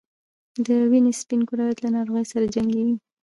د وینې سپین کرویات له ناروغیو سره جنګیږي